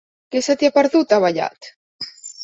Què se t'hi ha perdut, a Vallat?